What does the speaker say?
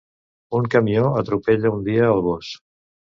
Un camió atropella un dia el gos.